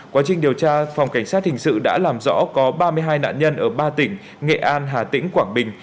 quá trình điều tra phòng cảnh sát hình sự đã làm rõ có ba mươi hai nạn nhân ở ba tỉnh nghệ an hà tĩnh quảng bình